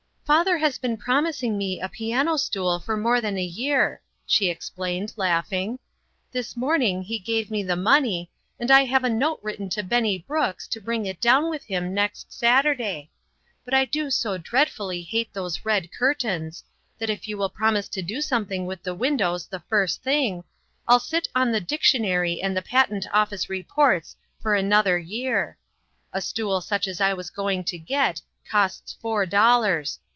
" Father has been promising me a piano stool for more than a year," she explained, laughing. " This morning he gave me the money, and I have a note written to Benny Brooks to bring it down with him next Saturday ; but I do so dreadfully hate those red curtains, that if you will promise to do something with the windows the first thing, I'll sit on the dictionary and the Patent Office Reports for another year. A stool such as I was going to get, costs four dol lars.